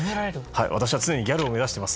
私は常にギャルを目指しています。